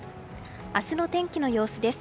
明日の天気の様子です。